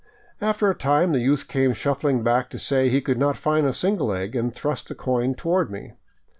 After a time the youth came shuffling back to say he could not find a single tgg ; and thrust the coin toward me.